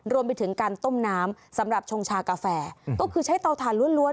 รวมไปถึงการต้มน้ำสำหรับชงชากาแฟก็คือใช้เตาถ่านล้วน